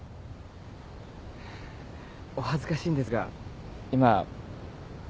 お恥ずかしいんですが今。